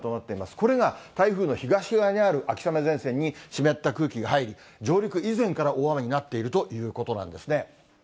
これが台風の東側にある秋雨前線に湿った空気が入り、上陸以前から大雨になっているということなんですね。